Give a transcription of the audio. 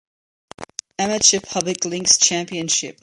Amateur Public Links Championship.